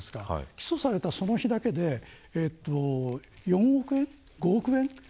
起訴されたその日だけで４億円か５億円